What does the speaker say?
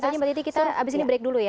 makanya mbak titi kita abis ini break dulu ya